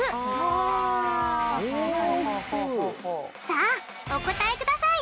さあお答えください！